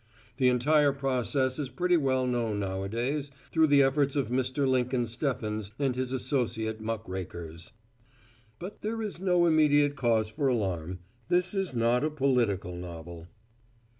The entire process is pretty well known nowadays through the efforts of Mr. Lincoln Steffens and his associate muckrakers. But there is no immediate cause for alarm; this is not a political novel.